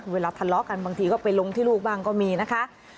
เวลาทะเลาะกันบางทีก็ไปลงที่ลูกบ้างก็มีนะคะ